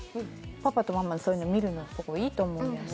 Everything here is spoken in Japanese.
パパとママのそういうの見るのすごいいいと思うんだよね・